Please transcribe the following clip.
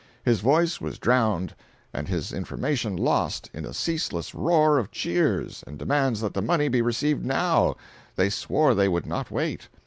His voice was drowned and his information lost in a ceaseless roar of cheers, and demands that the money be received now—they swore they would not wait.